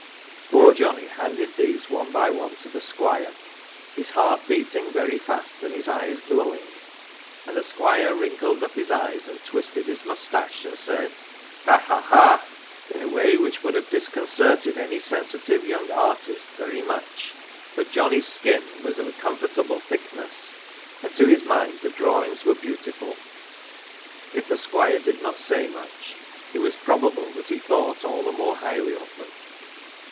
Poor Johnnie handed these one by one to the Squire, his heart beating very fast and his eyes glowing ; and the Squire wrinkled up his eyes and twisted his mous tache, and said " Ha ! ha ! ha !" in a way which would have disconcerted any sensitive young artist very much. But Johnnie's skin was of a comfortable thickness, and to his mind the drawings were beautiful ; if the Squire did not say much, it was probable that he thought all . the more highly of them.